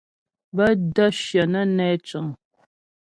Bə́ də́ shyə nə́ nɛ cə̂ŋ.